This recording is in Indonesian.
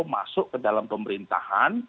masuk ke dalam pemerintahan